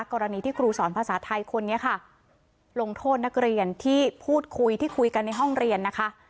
กรณีที่ครูสอนภาษาไทยคนนี้ค่ะลงโทษนักเรียนที่พูดคุยที่คุยกันในห้องเรียนนะคะ